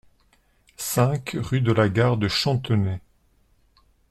cinq rue de la Gare de Chantenay